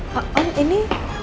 pak om ini